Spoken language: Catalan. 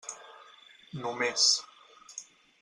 Només.